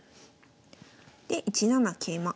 で１七桂馬。